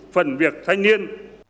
phần việc thanh niên